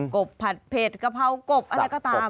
บผัดเผ็ดกะเพรากบอะไรก็ตาม